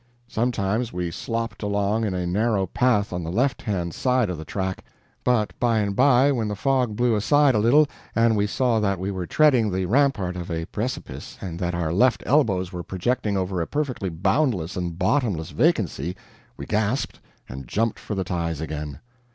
Sometimes we slopped along in a narrow path on the left hand side of the track, but by and by when the fog blew aside a little and we saw that we were treading the rampart of a precipice and that our left elbows were projecting over a perfectly boundless and bottomless vacancy, we gasped, and jumped for the ties again.